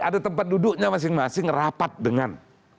ada tempat duduknya masing masing rapat dengan